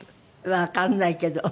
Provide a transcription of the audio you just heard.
わかんないけど。